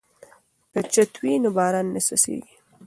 که چت وي نو باران نه څڅیږي.